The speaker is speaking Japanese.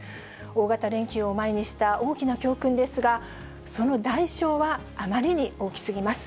大型連休を前にした大きな教訓ですが、その代償はあまりに大きすぎます。